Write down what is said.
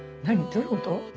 どういうこと？